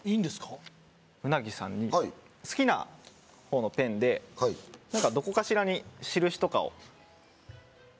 鰻さんに好きなほうのペンでどこかしらに、しるしとかを。